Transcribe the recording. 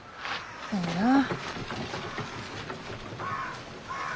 そやなあ。